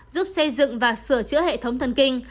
giúp xây dựng và sửa chữa hệ thống thân kinh